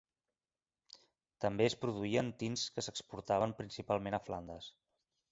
També es produïen tints que s'exportaven principalment a Flandes.